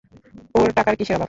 ওর টাকার কিসের অভাব?